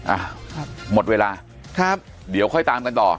อ้าวหมดเวลาครับเดี๋ยวค่อยตามกันต่อ